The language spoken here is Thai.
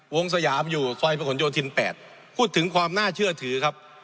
สยามอยู่ซอยประหลโยธิน๘พูดถึงความน่าเชื่อถือครับ